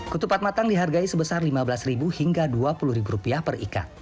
ketupat matang dihargai sebesar lima belas ribu hingga dua puluh ribu rupiah perikat